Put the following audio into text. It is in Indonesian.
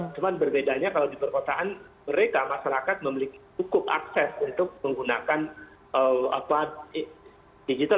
cuma berbedanya kalau di perkotaan mereka masyarakat memiliki cukup akses untuk menggunakan digital